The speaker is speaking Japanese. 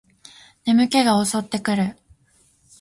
眠気が襲ってくる